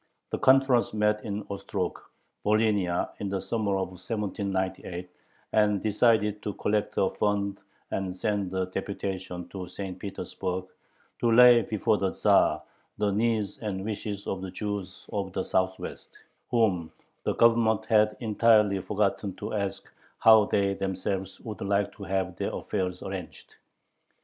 The conference met in Ostrog (Volhynia) in the summer of 1798, and decided to collect a fund and send a deputation to St. Petersburg, to lay before the Tzar the needs and wishes of the Jews of the Southwest, whom the Government had entirely forgotten to ask how they themselves would like to have their affairs arranged.